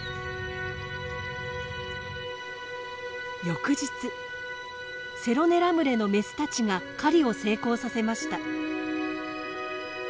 翌日セロネラ群れのメスたちが狩りを成功させました。